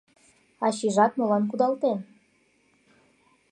Ачийжат молан кудалтен?